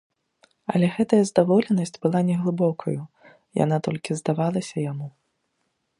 Але гэтая здаволенасць была неглыбокаю, яна толькі здавалася яму.